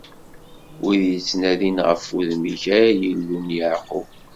Wid yettnadin ɣef wudem-ik, ay Illu n Yeɛqub!